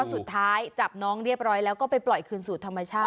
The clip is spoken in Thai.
สุดท้ายจับน้องเรียบร้อยแล้วก็ไปปล่อยคืนสู่ธรรมชาติ